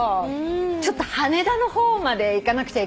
「ちょっと羽田の方まで行かなくちゃいけなくなって」